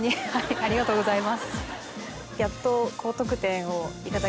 ありがとうございます。